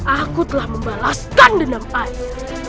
aku telah membalaskan denam ayah